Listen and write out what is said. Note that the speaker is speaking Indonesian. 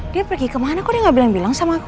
dia pergi kemana kok dia gak bilang bilang sama aku